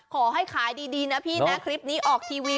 ขอให้ขายดีนะพี่นะคลิปนี้ออกทีวี